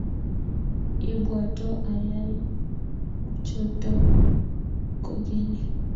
Ibwatwo ayai kuchotok kogeny